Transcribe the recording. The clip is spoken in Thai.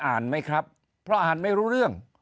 ไหมครับเพราะอ่านไม่รู้เรื่อง